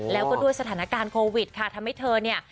แล้วก็ด้วยสถานการณ์โควิดค่ะทำให้เธอเนี่ย